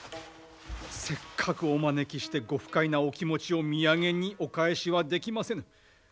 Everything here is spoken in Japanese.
せっかくお招きしてご不快なお気持ちを土産にお帰しはできませぬ。